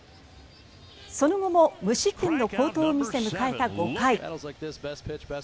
その後も無失点の好投を見せ迎えた５回。